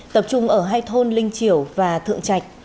tập trung ở hai thôn linh triểu và thượng trạch